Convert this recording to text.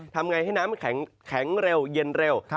ทำไงให้น้ำมันแข็งเร็วเย็นเร็ว